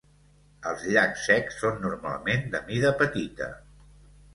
Els llacs secs són normalment de mida petita.